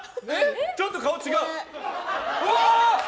ちょっと顔違う。